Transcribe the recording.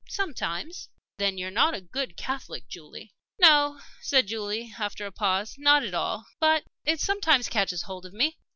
"Sometimes." "Then you're not a good Catholic, Julie?" "No," said Julie, after a pause, "not at all. But it sometimes catches hold of me."